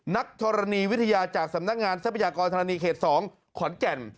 นักธรณีวิทยาจากสำนักงานทรัพยากรธรณีเขต๒ขอนแก่น